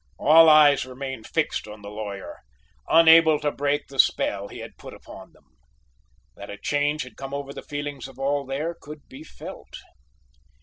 All eyes remained fixed on the lawyer unable to break the spell he had put upon them. That a change had come over the feelings of all there, could be felt.